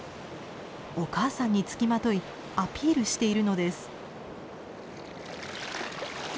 お母さんにつきまといアピールしているのです。